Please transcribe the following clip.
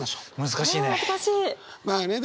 難しいね。